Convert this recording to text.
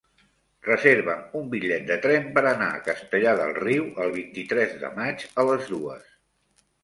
Reserva'm un bitllet de tren per anar a Castellar del Riu el vint-i-tres de maig a les dues.